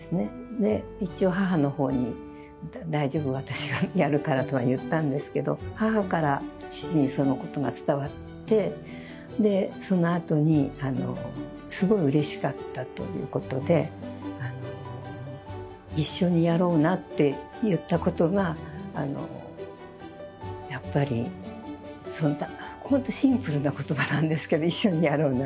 で一応母の方に「大丈夫私がやるから」とは言ったんですけど母から父にそのことが伝わってでそのあとにすごいうれしかったということで「一緒にやろうな」って言ったことがやっぱりほんとシンプルな言葉なんですけど「一緒にやろうな」